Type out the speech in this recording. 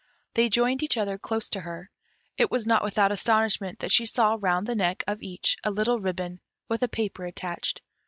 They joined each other close to her. It was not without astonishment that she saw round the neck of each a little ribbon, with a paper attached.